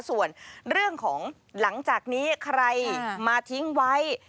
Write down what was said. ส่วนเรื่องของหลังจากนี้ใครมาทิ้งไว้